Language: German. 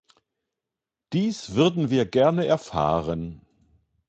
Dies würden wir gerne erfahren.